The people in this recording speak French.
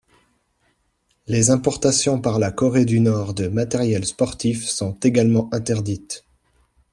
Les importations par la Corée du Nord de matériel sportif sont également interdites.